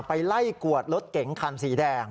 ไปไล่กวดรถเก๋งคันสีแดง